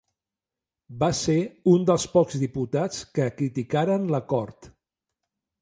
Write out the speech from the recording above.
Va ser un dels pocs diputats que criticaren l'Acord.